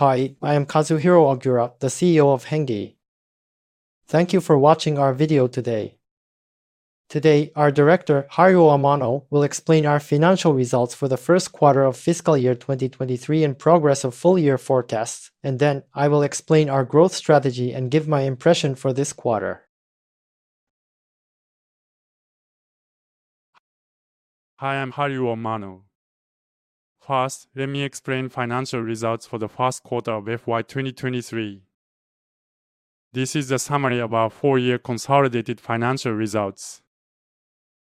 Hi, I am Kazuhiro Ogura, the CEO of HENNGE. Thank you for watching our video today. Today, our director, Haruo Amano, will explain our financial results for the first quarter of fiscal year 2023 and progress of full year forecasts, and then I will explain our growth strategy and give my impression for this quarter. Hi, I'm Haruo Amano. First, let me explain financial results for the first quarter of FY2023. This is a summary of our full year consolidated financial results.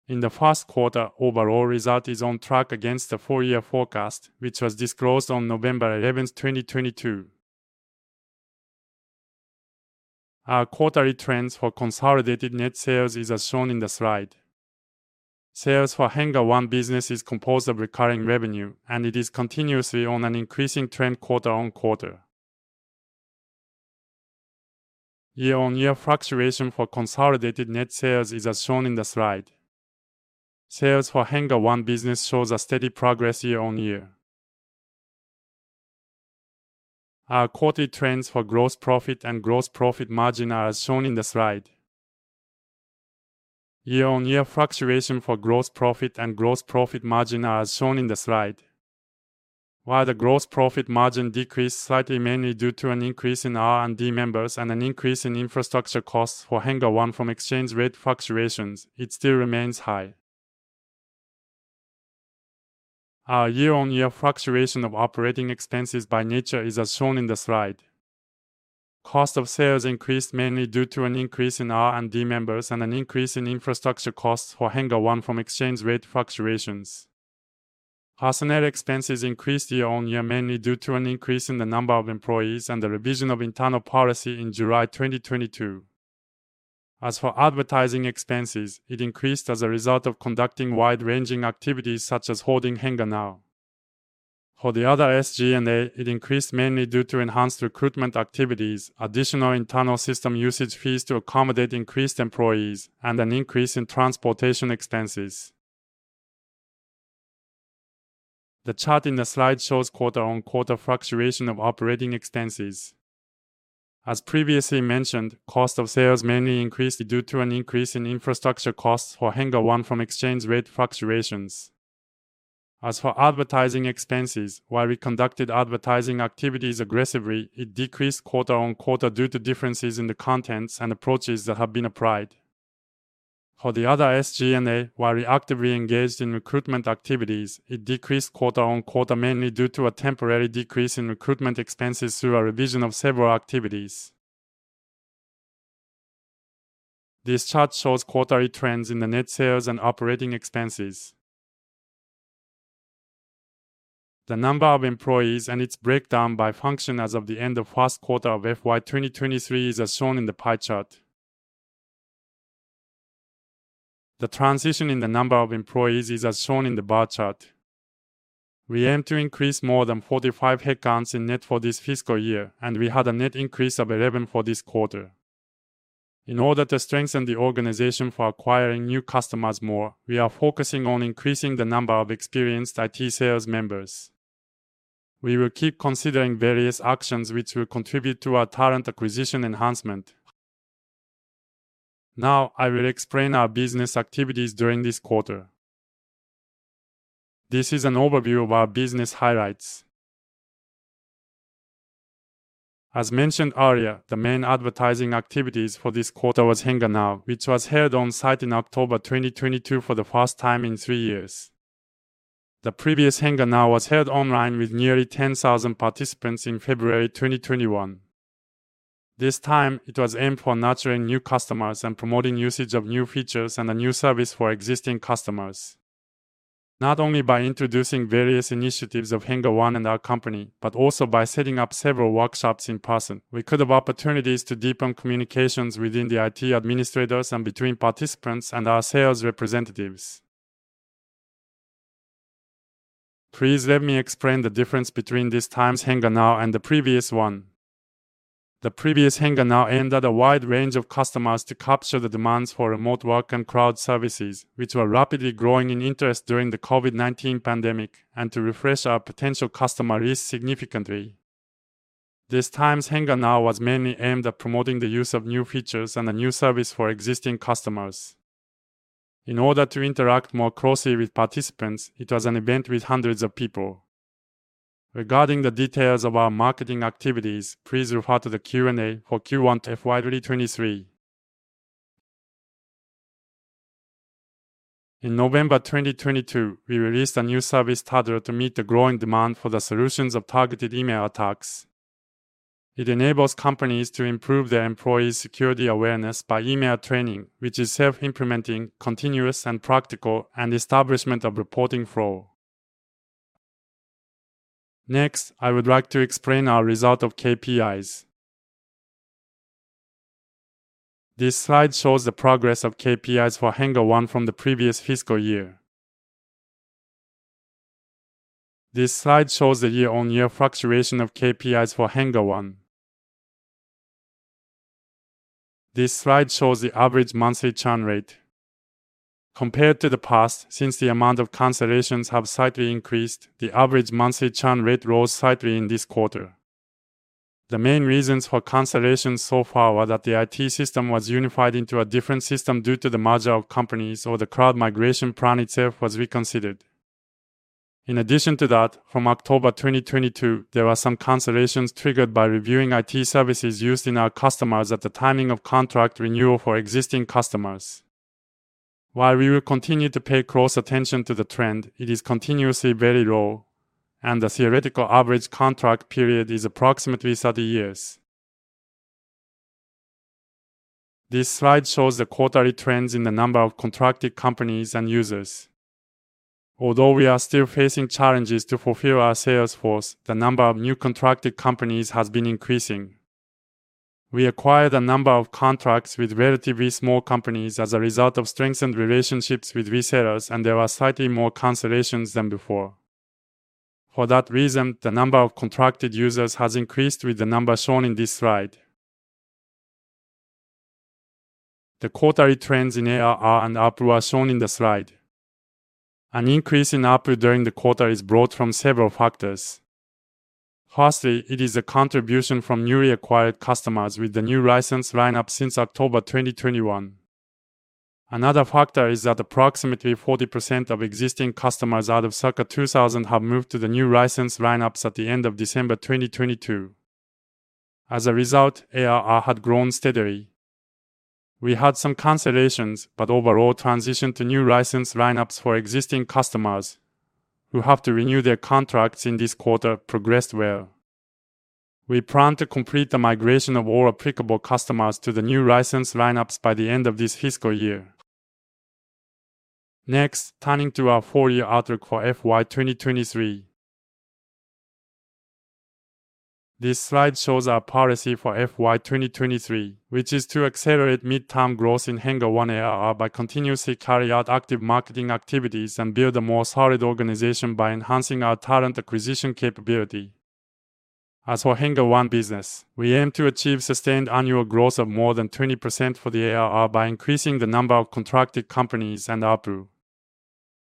In the first quarter, overall result is on track against the full year forecast, which was disclosed on November 11th, 2022. Our quarterly trends for consolidated net sales is as shown in the slide. Sales for HENNGE One business is composed of recurring revenue, and it is continuously on an increasing trend quarter-on-quarter. Year-on-year fluctuation for consolidated net sales is as shown in the slide. Sales for HENNGE One business shows a steady progress year-on-year. Our quarterly trends for gross profit and gross profit margin are as shown in the slide. Year-on-year fluctuation for gross profit and gross profit margin are as shown in the slide. While the gross profit margin decreased slightly, mainly due to an increase in R&D members and an increase in infrastructure costs for HENNGE One from exchange rate fluctuations, it still remains high. Our year-over-year fluctuation of operating expenses by nature is as shown in the slide. Cost of sales increased mainly due to an increase in R&D members and an increase in infrastructure costs for HENNGE One from exchange rate fluctuations. Personnel expenses increased year-over-year, mainly due to an increase in the number of employees and the revision of internal policy in July 2022. As for advertising expenses, it increased as a result of conducting wide-ranging activities such as holding HENNGE NOW! For the other SG&A, it increased mainly due to enhanced recruitment activities, additional internal system usage fees to accommodate increased employees, and an increase in transportation expenses. The chart in the slide shows quarter-on-quarter fluctuation of operating expenses. As previously mentioned, cost of sales mainly increased due to an increase in infrastructure costs for HENNGE One from exchange rate fluctuations. Advertising expenses, while we conducted advertising activities aggressively, it decreased quarter-on-quarter due to differences in the contents and approaches that have been applied. The other SG&A, while we actively engaged in recruitment activities, it decreased quarter-on-quarter, mainly due to a temporary decrease in recruitment expenses through a revision of several activities. This chart shows quarterly trends in the net sales and operating expenses. The number of employees and its breakdown by function as of the end of first quarter of FY2023 is as shown in the pie chart. The transition in the number of employees is as shown in the bar chart. We aim to increase more than 45 headcounts in net for this fiscal year, and we had a net increase of 11 for this quarter. In order to strengthen the organization for acquiring new customers more, we are focusing on increasing the number of experienced IT sales members. We will keep considering various actions which will contribute to our talent acquisition enhancement. I will explain our business activities during this quarter. This is an overview of our business highlights. As mentioned earlier, the main advertising activities for this quarter was HENNGE NOW!, which was held on site in October 2022 for the first time in three years. The previous HENNGE NOW! was held online with nearly 10,000 participants in February 2021. This time, it was aimed for nurturing new customers and promoting usage of new features and a new service for existing customers. Not only by introducing various initiatives of HENNGE One and our HENNGE company, but also by setting up several workshops in person, we could have opportunities to deepen communications within the IT administrators and between participants and our sales representatives. Please let me explain the difference between this time's HENNGE NOW! and the previous one. The previous HENNGE NOW! aimed at a wide range of customers to capture the demands for remote work and cloud services, which were rapidly growing in interest during the COVID-19 pandemic, and to refresh our potential customer list significantly. This time's HENNGE NOW! was mainly aimed at promoting the use of new features and a new service for existing customers. In order to interact more closely with participants, it was an event with hundreds of people. Regarding the details of our marketing activities, please refer to the Q&A for Q1 FY2023. In November 2022, we released a new service, Tadrill, to meet the growing demand for the solutions of targeted email attacks. It enables companies to improve their employees' security awareness by email training, which is self-implementing, continuous, and practical, and establishment of reporting flow. I would like to explain our result of KPIs. This slide shows the progress of KPIs for HENNGE One from the previous fiscal year. This slide shows the year-over-year fluctuation of KPIs for HENNGE One. This slide shows the average monthly churn rate. Compared to the past, since the amount of cancellations have slightly increased, the average monthly churn rate rose slightly in this quarter. The main reasons for cancellations so far were that the IT system was unified into a different system due to the merger of companies or the cloud migration plan itself was reconsidered. In addition to that, from October 2022, there were some cancellations triggered by reviewing IT services used in our customers at the timing of contract renewal for existing customers. While we will continue to pay close attention to the trend, it is continuously very low, and the theoretical average contract period is approximately 30 years. This slide shows the quarterly trends in the number of contracted companies and users. Although we are still facing challenges to fulfill our sales force, the number of new contracted companies has been increasing. We acquired a number of contracts with relatively small companies as a result of strengthened relationships with resellers, and there are slightly more cancellations than before. For that reason, the number of contracted users has increased with the number shown in this slide. The quarterly trends in ARR and ARPU are shown in the slide. An increase in ARPU during the quarter is brought from several factors. Firstly, it is a contribution from newly acquired customers with the new license lineup since October 2021. Another factor is that approximately 40% of existing customers out of circa 2,000 have moved to the new license lineups at the end of December 2022. As a result, ARR had grown steadily. We had some cancellations, but overall transition to new license lineups for existing customers who have to renew their contracts in this quarter progressed well. We plan to complete the migration of all applicable customers to the new license lineups by the end of this fiscal year. Turning to our full year outlook for FY2023. This slide shows our policy for FY2023, which is to accelerate midterm growth in HENNGE One ARR by continuously carry out active marketing activities and build a more solid organization by enhancing our talent acquisition capability. As for HENNGE One business, we aim to achieve sustained annual growth of more than 20% for the ARR by increasing the number of contracted companies and ARPU.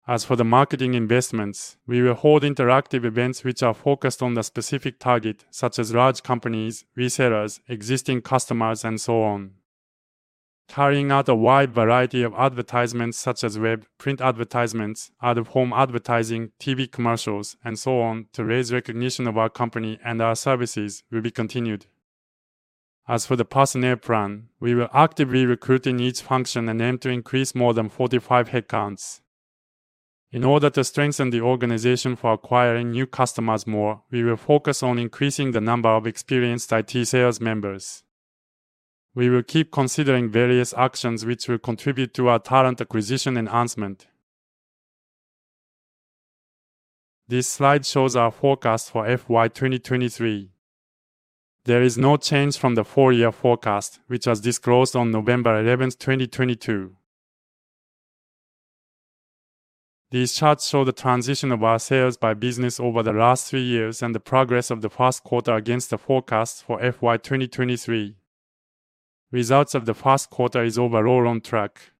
As for the marketing investments, we will hold interactive events which are focused on the specific target, such as large companies, resellers, existing customers, and so on. Carrying out a wide variety of advertisements such as web, print advertisements, out-of-home advertising, TV commercials, and so on to raise recognition of our company and our services will be continued. As for the personnel plan, we will actively recruit in each function and aim to increase more than 45 headcounts. In order to strengthen the organization for acquiring new customers more, we will focus on increasing the number of experienced IT sales members. We will keep considering various actions which will contribute to our talent acquisition enhancement. This slide shows our forecast for FY2023. There is no change from the full year forecast, which was disclosed on November 11th, 2022. These charts show the transition of our sales by business over the last three years and the progress of the first quarter against the forecast for FY2023. Results of the first quarter is overall on track.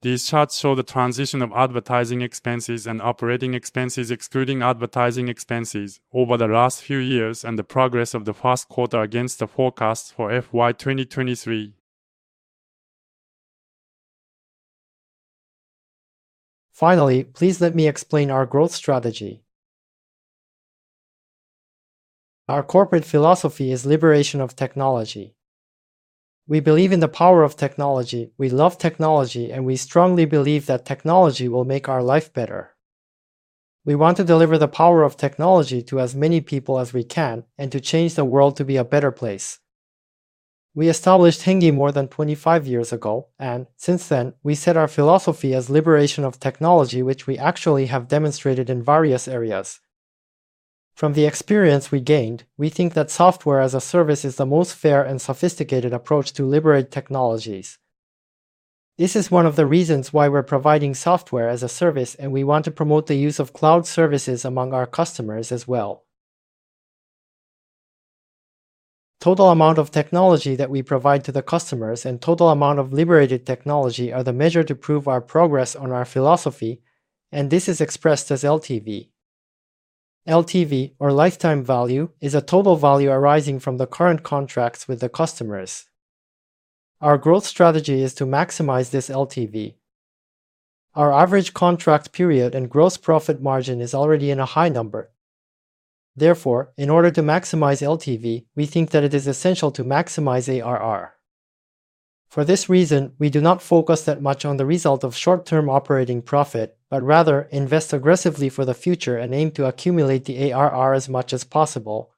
These charts show the transition of advertising expenses and operating expenses, excluding advertising expenses over the last few years and the progress of the 1st quarter against the forecast for FY2023. Finally, please let me explain our growth strategy. Our corporate philosophy is liberation of technology. We believe in the power of technology. We love technology, and we strongly believe that technology will make our life better. We want to deliver the power of technology to as many people as we can and to change the world to be a better place. We established HENNGE more than 25 years ago, and since then, we set our philosophy as liberation of technology, which we actually have demonstrated in various areas. From the experience we gained, we think that software as a service is the most fair and sophisticated approach to liberate technologies. This is one of the reasons why we're providing software as a service, and we want to promote the use of cloud services among our customers as well. Total amount of technology that we provide to the customers and total amount of liberated technology are the measure to prove our progress on our philosophy, and this is expressed as LTV. LTV or lifetime value is a total value arising from the current contracts with the customers. Our growth strategy is to maximize this LTV. Our average contract period and gross profit margin is already in a high number. In order to maximize LTV, we think that it is essential to maximize ARR. We do not focus that much on the result of short-term operating profit, but rather invest aggressively for the future and aim to accumulate the ARR as much as possible.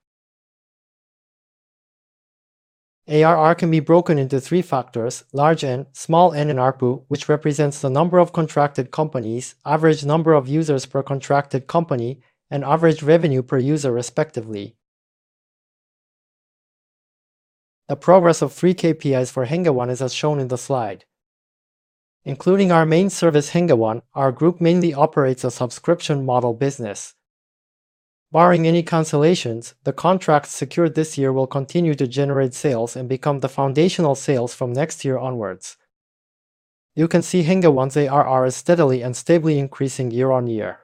ARR can be broken into three factors: large N, small N, and ARPU, which represents the number of contracted companies, average number of users per contracted company, and average revenue per user respectively. The progress of three KPIs for HENNGE One is as shown in the slide. Including our main service, HENNGE One, our group mainly operates a subscription model business. Barring any cancellations, the contracts secured this year will continue to generate sales and become the foundational sales from next year onwards. You can see HENNGE One's ARR is steadily and stably increasing year on year.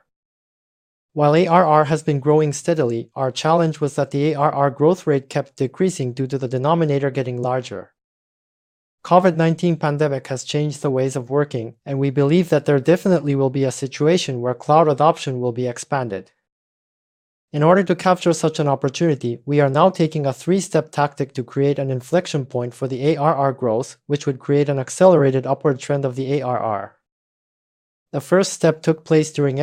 While ARR has been growing steadily, our challenge was that the ARR growth rate kept decreasing due to the denominator getting larger. COVID-19 pandemic has changed the ways of working, and we believe that there definitely will be a situation where cloud adoption will be expanded. In order to capture such an opportunity, we are now taking a three-step tactic to create an inflection point for the ARR growth, which would create an accelerated upward trend of the ARR. The first step took place during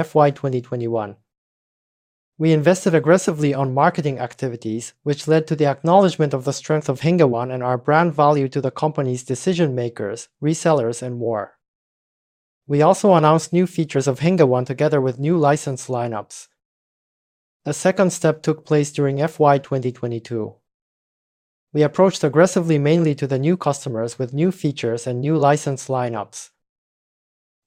FY2021. We invested aggressively on marketing activities, which led to the acknowledgment of the strength of HENNGE One and our brand value to the company's decision-makers, resellers, and more. We also announced new features of HENNGE One together with new license lineups. The second step took place during FY2022. We approached aggressively mainly to the new customers with new features and new license lineups.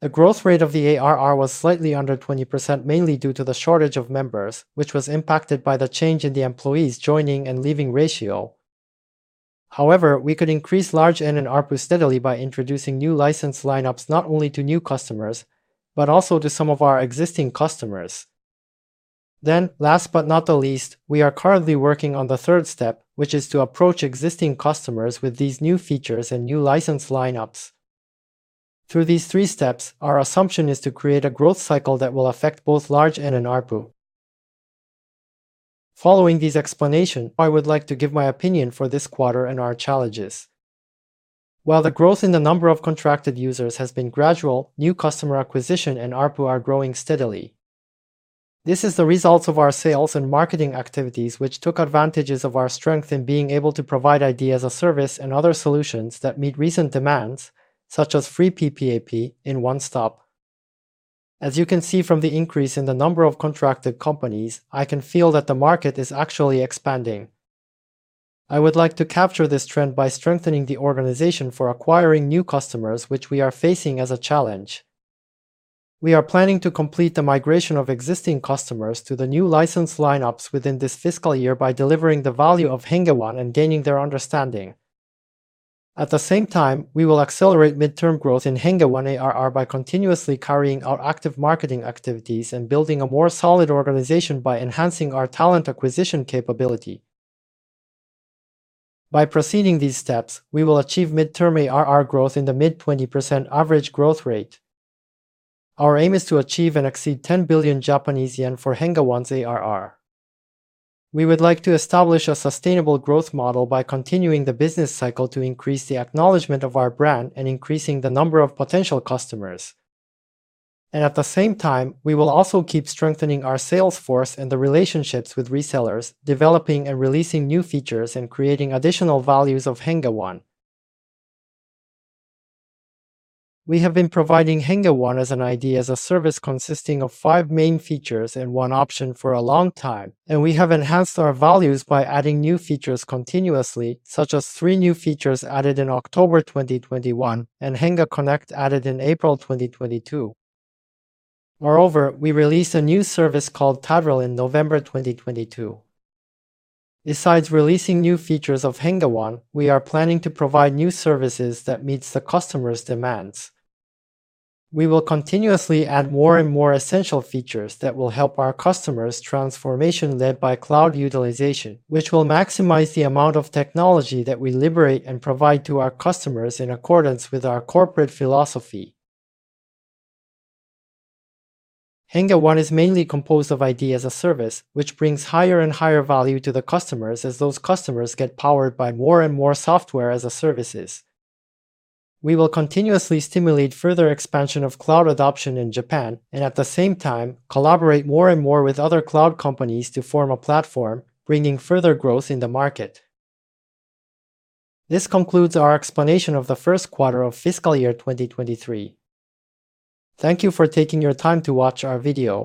The growth rate of the ARR was slightly under 20% mainly due to the shortage of members, which was impacted by the change in the employees joining and leaving ratio. We could increase large N and ARPU steadily by introducing new license lineups not only to new customers but also to some of our existing customers. Last but not the least, we are currently working on the third step, which is to approach existing customers with these new features and new license lineups. Through these three steps, our assumption is to create a growth cycle that will affect both large N and ARPU. Following this explanation, I would like to give my opinion for this quarter and our challenges. While the growth in the number of contracted users has been gradual, new customer acquisition and ARPU are growing steadily. This is the results of our sales and marketing activities which took advantages of our strength in being able to provide ID as a service and other solutions that meet recent demands, such as free PPAP in one stop. As you can see from the increase in the number of contracted companies, I can feel that the market is actually expanding. I would like to capture this trend by strengthening the organization for acquiring new customers, which we are facing as a challenge. We are planning to complete the migration of existing customers to the new license lineups within this fiscal year by delivering the value of HENNGE One and gaining their understanding. At the same time, we will accelerate midterm growth in HENNGE One ARR by continuously carrying out active marketing activities and building a more solid organization by enhancing our talent acquisition capability. By proceeding these steps, we will achieve midterm ARR growth in the mid-20% average growth rate. Our aim is to achieve and exceed 10 billion Japanese yen for HENNGE One's ARR. We would like to establish a sustainable growth model by continuing the business cycle to increase the acknowledgment of our brand and increasing the number of potential customers. At the same time, we will also keep strengthening our sales force and the relationships with resellers, developing and releasing new features, and creating additional values of HENNGE One. We have been providing HENNGE One as an IDaaS consisting of five main features and one option for a long time, and we have enhanced our values by adding new features continuously, such as three new features added in October 2021 and HENNGE Connect added in April 2022. Moreover, we released a new service called Tadrill in November 2022. Besides releasing new features of HENNGE One, we are planning to provide new services that meets the customers' demands. We will continuously add more and more essential features that will help our customers' transformation led by cloud utilization, which will maximize the amount of technology that we liberate and provide to our customers in accordance with our corporate philosophy. HENNGE One is mainly composed of ID as a service, which brings higher and higher value to the customers as those customers get powered by more and more Software as a Service. We will continuously stimulate further expansion of cloud adoption in Japan, and at the same time, collaborate more and more with other cloud companies to form a platform, bringing further growth in the market. This concludes our explanation of the first quarter of FY2023. Thank you for taking your time to watch our video.